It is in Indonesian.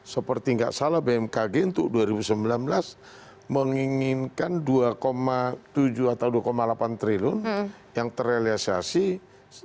seperti enggak salah bmkg untuk dua ribu sembilan belas menginginkan dua tujuh atau dua delapan triliun yang terrealisasi sekitar satu tujuh triliun